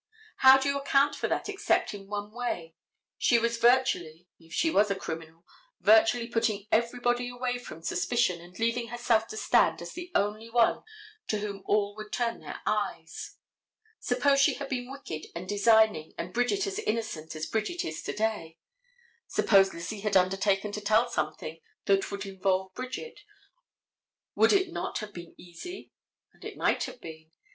How do you account for that except in one way? She was virtually, if she was a criminal, virtually putting everybody away from suspicion and leaving herself to stand as the only one to whom all would turn their eyes. Suppose she had been wicked and designing and Bridget as innocent as Bridget is to day. Suppose Lizzie had undertaken to tell something that would involve Bridget, would it not have been easy? And it might have been.